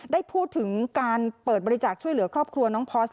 ได้พูดถึงการเปิดบริจาคช่วยเหลือครอบครัวน้องพอส